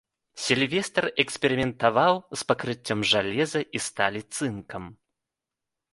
Сільвестр эксперыментаваў з пакрыццём жалеза і сталі цынкам.